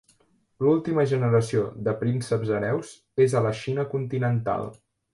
L'última generació de "prínceps hereus" és a la Xina continental.